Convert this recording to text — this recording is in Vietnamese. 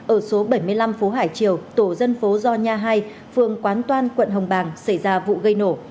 ở số bảy mươi năm phố hải triều tổ dân phố gio nha hai phường quán toan quận hồng bàng xảy ra vụ gây nổ